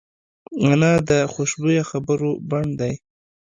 انا د خوشبویه خبرو بڼ دی